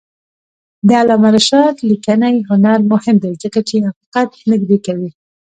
د علامه رشاد لیکنی هنر مهم دی ځکه چې حقیقت نږدې کوي.